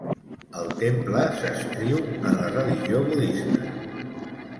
El temple s'adscriu en la religió budista.